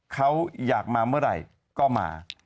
เขาอยากมาเมื่อไหร่ก็มา